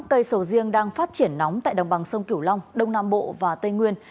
cây sầu riêng đang phát triển nóng tại đồng bằng sông kiểu long đông nam bộ và tây nguyên